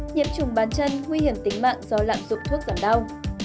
nhiệm trùng bàn chân nguy hiểm tính mạng do lạm dụng thuốc giảm đau